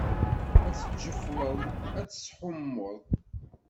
Ad tejjefleḍ, ad tetthummuḍ.